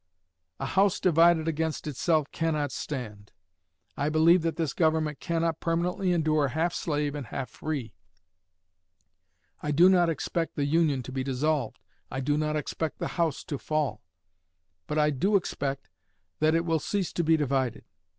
"A house divided against itself cannot stand." I believe that this Government cannot permanently endure half slave and half free. I do not expect the Union to be dissolved I do not expect the house to fall but I do expect that it will cease to be divided.